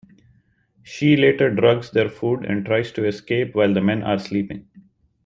She later drugs their food and tries to escape while the men are sleeping.